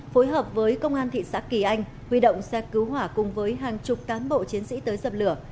phối hợp với công an thị xã kỳ anh huy động xe cứu hỏa cùng với hàng chục cán bộ chiến sĩ tới dập lửa